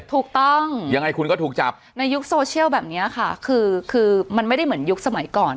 ถูกต้องยังไงคุณก็ถูกจับในยุคโซเชียลแบบนี้ค่ะคือคือมันไม่ได้เหมือนยุคสมัยก่อน